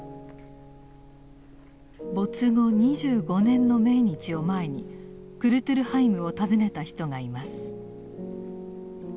没後２５年の命日を前にクルトゥルハイムを訪ねた人がいます。